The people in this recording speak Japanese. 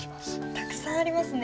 たくさんありますね。